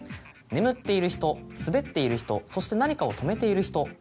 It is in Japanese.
眠っている人滑っている人そして何かを止めている人。